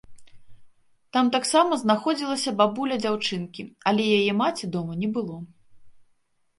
Там таксама знаходзілася бабуля дзяўчынкі, але яе маці дома не было.